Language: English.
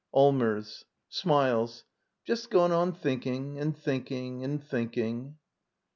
Allmers, [Smiles.] Just gone on thinking and thinking and thinking.